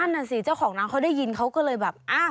นั่นน่ะสิเจ้าของร้านเขาได้ยินเขาก็เลยแบบอ้าว